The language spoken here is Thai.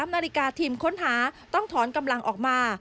นาฬิกาทีมค้นหาต้องถอนกำลังออกมา